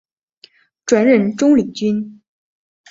转任中领军。